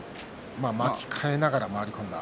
巻き替えながら回り込んだ。